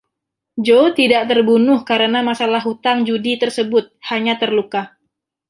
Joe tidak terbunuh karena masalah hutang judi tersebut, hanya terluka.